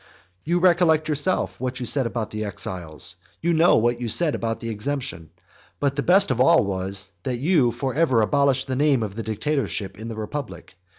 You recollect yourself, what you said about the exiles; you know what you said about the exemption; but the best thing of all was, that you for ever abolished the name of the dictatorship in the republic.